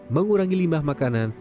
mengurangi limbah makanan